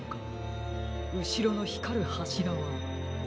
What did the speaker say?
うしろのひかるはしらは。